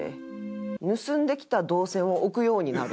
盗んできた銅線を置くようになる。